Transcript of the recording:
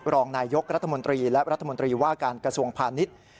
รองนายยกรัฐมนตรีและรัฐมนตรีว่าการกระทรวงพาณิชย์